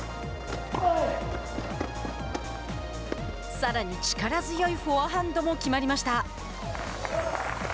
さらに力強いフォアハンドも決まりました。